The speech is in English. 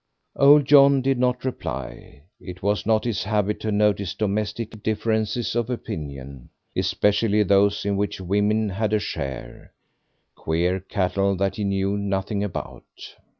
Old John did not reply; it was not his habit to notice domestic differences of opinion, especially those in which women had a share queer cattle that he knew nothing about.